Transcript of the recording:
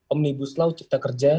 omnibus law cipta kerja